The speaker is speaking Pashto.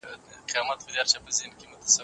ایا کورني سوداګر وچ زردالو صادروي؟